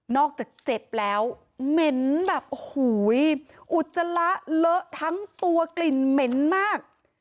นอกจากเจ็บแล้วเม้นแบบอุจจาระเลอะทั้งตัวกลิ่นเม้นมาก